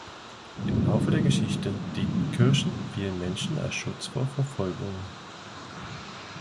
Im Laufe der Geschichte dienten Kirchen vielen Menschen als Schutz vor Verfolgungen.